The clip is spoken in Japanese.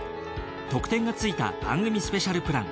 特典が付いた番組スペシャルプラン